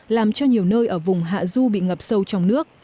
làm cho nhiều nơi ở vùng hạ du bị ngập sâu trong nước